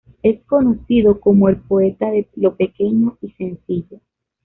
Es conocido como el poeta de lo pequeño y sencillo.